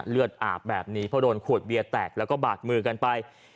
เลือดอาบแบบนี้เพราะโดนขวดเบียร์แตกแล้วก็บาดมือกันไป